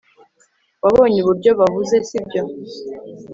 wabonye uburyo bahuze, sibyo